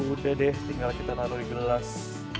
udah deh tinggal kita naruh di gelas